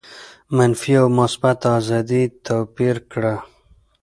منفي او مثبته آزادي یې توپیر کړه.